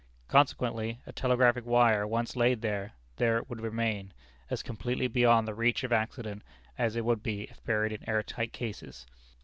Consequently, a telegraphic wire once laid there, there it would remain, as completely beyond the reach of accident as it would be if buried in air tight cases.